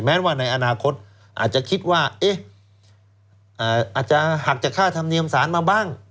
ว่าในอนาคตอาจจะคิดว่าอาจจะหักจากค่าธรรมเนียมสารมาบ้าง